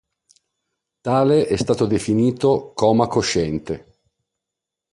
Tale stato è definito "Coma Cosciente".